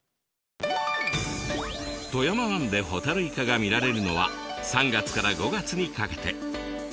富山湾でホタルイカが見られるのは３月から５月にかけて。